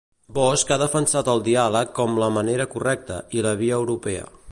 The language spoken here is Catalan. Bosch ha defensat el diàleg com la "manera correcta" i "la via europea".